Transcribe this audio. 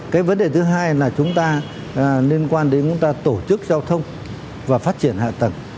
cái vấn đề thứ hai là chúng ta liên quan đến chúng ta tổ chức giao thông và phát triển hạ tầng